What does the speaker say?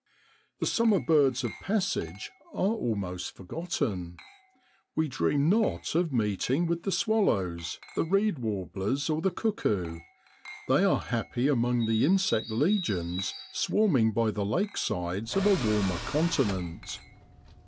The summer birds of passage are almost forgotten; we dream not of meeting with the swallows, the reed warblers or the cuckoo; they are happy among the insect legions swarming by the lake sides of a warmer continent.